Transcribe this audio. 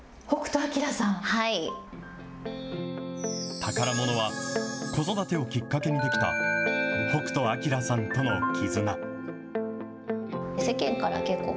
宝ものは、子育てをきっかけに出来た、北斗晶さんとの絆。